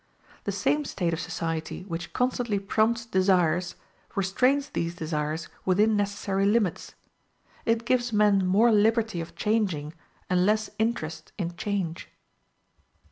The same state of society which constantly prompts desires, restrains these desires within necessary limits: it gives men more liberty of changing and less interest in change.